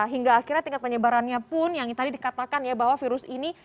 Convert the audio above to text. hingga akhirnya tingkat penyebarannya pun yang tadi dikatakan ya bahwa virus ini